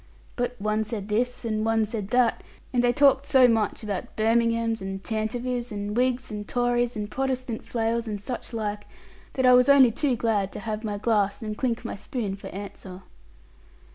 But one said this, and one said that; and they talked so much about Birminghams, and Tantivies, and Whigs and Tories, and Protestant flails and such like, that I was only too glad to have my glass and clink my spoon for answer.'